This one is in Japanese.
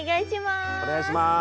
お願いします。